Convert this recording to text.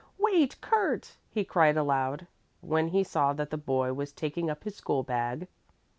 Wait, Kurt!" he cried aloud, when he saw that the boy was taking up his school bag.